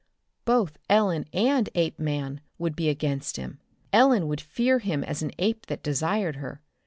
Both Ellen and Apeman would be against him. Ellen would fear him as an ape that desired her.